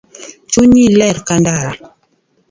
Chunyi ler kandara